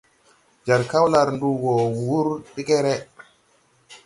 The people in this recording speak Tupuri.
Jar Kaolar nduu wɔɔ wur degɛrɛ.